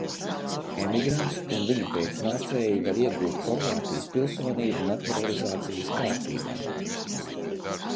Emigrants un viņa pēcnācēji var iegūt Horvātijas pilsonību naturalizācijas kārtībā.